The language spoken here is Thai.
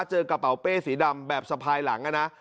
เจอกระเป๋าเป้สีดำแบบสะพายหลังนะ